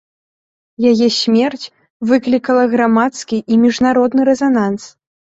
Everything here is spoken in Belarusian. Яе смерць выклікала грамадскі і міжнародны рэзананс.